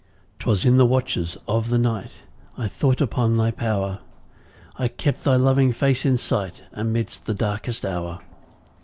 1 'Twas in the watches of the night I thought upon thy power, I kept thy lovely face in sight Amidst the darkest hour.